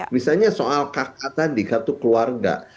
misalnya soal kakak tadi kartu keluarga